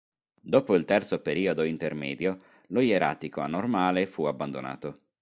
Dopo il Terzo periodo intermedio lo ieratico anormale fu abbandonato.